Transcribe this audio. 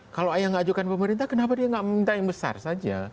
kalau ayah ngajukan pemerintah kenapa dia nggak minta yang besar saja